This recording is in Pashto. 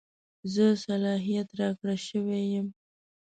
زه صلاحیت راکړه شوی یم.